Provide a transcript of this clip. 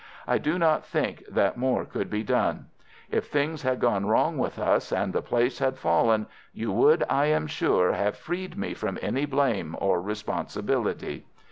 "I do not think that more could be done. If things had gone wrong with us and the place had fallen you would, I am sure, have freed me from any blame or responsibility."